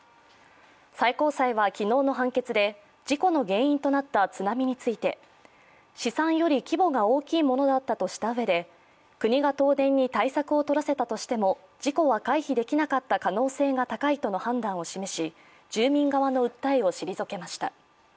最高裁は昨日の判決で事故の原因となった津波について試算より規模が大きいものだったとしたうえで国が東電に対策をとらせたとしても事故は回避できなかった可能性が高いとの判断を示し、住民側の訴えを退けました。